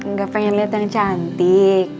gak pengen liat yang cantik